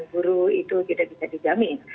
guru itu tidak bisa dijamin